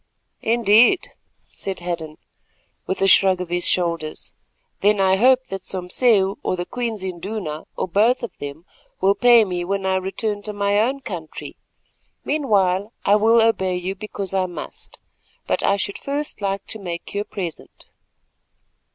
"Indeed," said Hadden, with a shrug of his shoulders; "then I hope that Sompseu, or the Queen's Induna, or both of them, will pay me when I return to my own country. Meanwhile I will obey you because I must, but I should first like to make you a present."